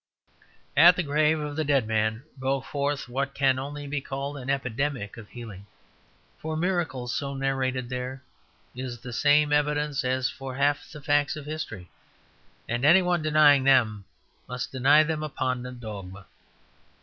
At the grave of the dead man broke forth what can only be called an epidemic of healing. For miracles so narrated there is the same evidence as for half the facts of history; and any one denying them must deny them upon a dogma.